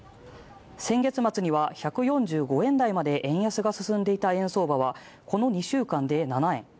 先月末には１４５円台まで円安が進んでいた円相場はこの２週間で７円